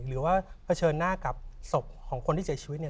หรือว่าเผชิญหน้ากับศพของคนที่เจอชีวิต